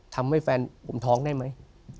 ทำให้แฟนผมท้องได้ไหม